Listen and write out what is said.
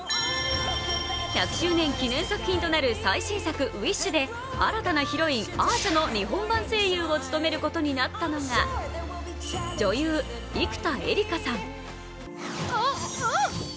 １００周年記念作品となる最新作「ウィッシュ」で、新たなヒロイン・アーシャの日本版声優を務めることになったのは女優・生田絵梨花さん。